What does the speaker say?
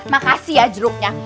makasih ya jeruknya